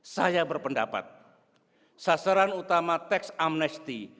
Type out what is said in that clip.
saya berpendapat sasaran utama teks amnesti